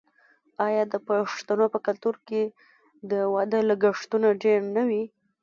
آیا د پښتنو په کلتور کې د واده لګښتونه ډیر نه وي؟